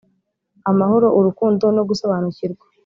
amahoro, urukundo, no gusobanukirwa.